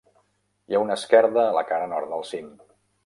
Hi ha una esquerda a la cara nord del cim.